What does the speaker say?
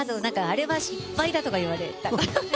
あれは失敗だとか言われた。